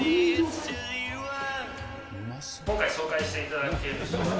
今回紹介していただける商品